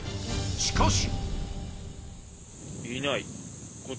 しかし。